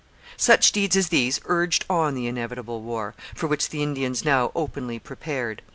Such deeds as these urged on the inevitable war, for which the Indians now openly prepared.